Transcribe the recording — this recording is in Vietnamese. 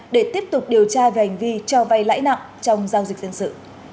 để tiếp tục điều tra về hành vi cho vay lãi nặng trong giao dịch dân sự